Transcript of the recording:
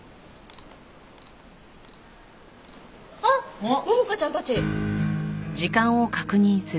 あっ桃香ちゃんたち！